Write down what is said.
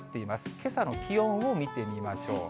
けさの気温を見てみましょう。